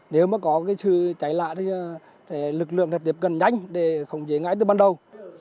nếu mà có cái sự cháy lạ thì lực lượng sẽ tiếp cận nhanh để không dễ ngãi từ ban đầu